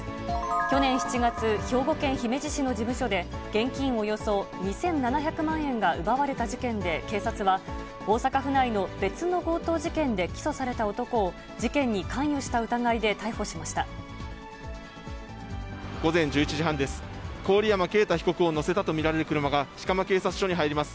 去年７月、兵庫県姫路市の事務所で、現金およそ２７００万円が奪われた事件で、警察は、大阪府内の別の強盗事件で起訴された男を、事件に関与した疑いで午前１１時半です。